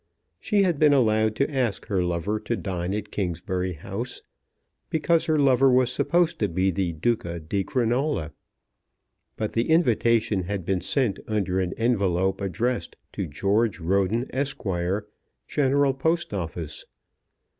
She had been allowed to ask her lover to dine at Kingsbury House because her lover was supposed to be the Duca di Crinola. But the invitation had been sent under an envelope addressed to George Roden, Esq., General Post Office.